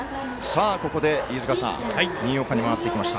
ここで新岡に回ってきました。